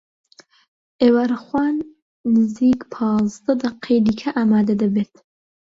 ئێوارەخوان نزیک پازدە دەقەی دیکە ئامادە دەبێت.